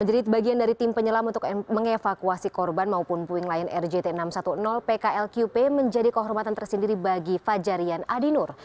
menjadi bagian dari tim penyelam untuk mengevakuasi korban maupun puing lion air jt enam ratus sepuluh pklqp menjadi kehormatan tersendiri bagi fajarian adinur